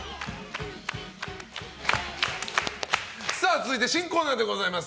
続いて新コーナーでございます。